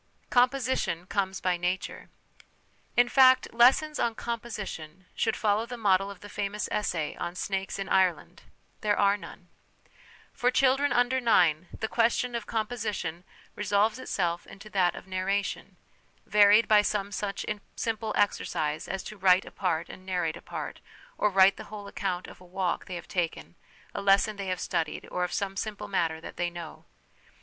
'Composition' comes by Nature. In fact, lessons on 'composition' should follow the model of that famous essay on " Snakes in Ireland "" There are none." For children under nine, the question of composition resolves itself into that of narration, varied by some such simple exercise as to write a part and narrate a part, or write the whole account of a walk they have taken, a lesson they have studied, or of some simple matter that they know.